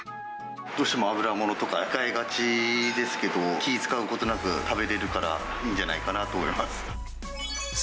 どうしても油ものとか控えがちですけど、気を使うことなく食べれるから、いいんじゃないかなと思います。